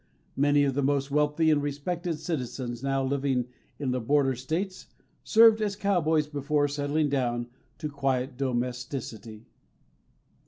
Many of the most wealthy and respected citizens now living in the border states served as cowboys before settling down to quiet domesticity.